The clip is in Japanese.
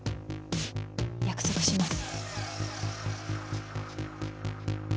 約束します。